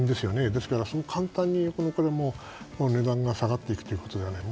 ですから、簡単にこれも値段が下がっていくということはない。